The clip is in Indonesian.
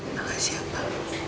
makasih ya pa